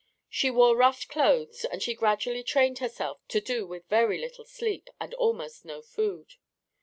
She wore rough clothes and she gradually trained herself to do with very little sleep and almost no food.